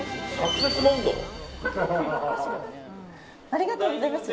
ありがとうございます。